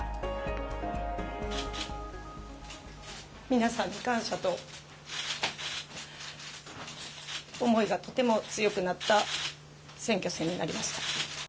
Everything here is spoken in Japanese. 皆さんに感謝の思いがとても強くなった選挙戦でした。